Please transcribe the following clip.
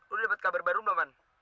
lo udah dapet kabar baru belum pan